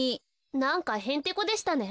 なんかへんてこでしたね。